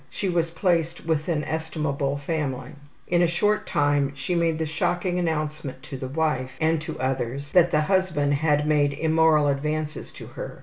She was placed with an estimable family. In a short time she made the shocking announcement to the wife, and to others, that the husband had made immoral advances to her.